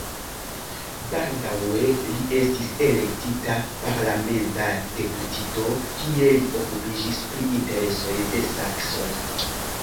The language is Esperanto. Baldaŭe li estis elektita parlamenta deputito, kie li okupiĝis pri interesoj de saksoj.